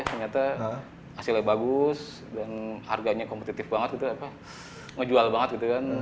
hasilnya bagus harganya kompetitif banget ngejual banget